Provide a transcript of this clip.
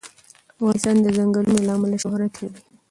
افغانستان د ځنګلونه له امله شهرت لري.